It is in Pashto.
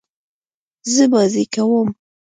زه بازۍ کوم.